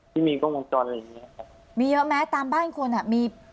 ที่มีกล้องวงจรอะไรอย่างเงี้ยครับมีเยอะไหมตามบ้านคนอ่ะมี